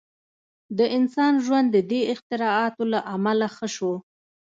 • د انسان ژوند د دې اختراعاتو له امله ښه شو.